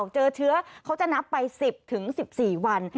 เจอเชื้อเขาจะนับไป๑๐๑๔วัน